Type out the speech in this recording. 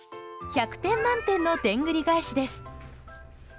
１００点満点のでんぐり返しです。